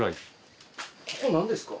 ここなんですか？